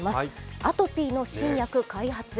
アトピーの新薬開発へ。